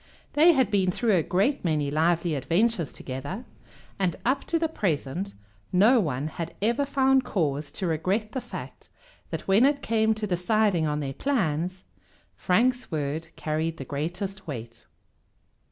They had been through a great many lively adventures together, and up to the present no one had ever found cause to regret the fact that when it came to deciding on their plans Frank's word carried the greatest weight.